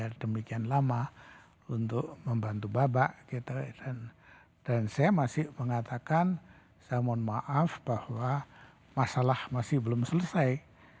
saya demikian lama untuk membantu babak dan saya masih mengatakan saya mohon maaf bahwa masalah masih belum selesai